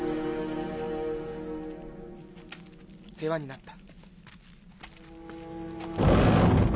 世話になった。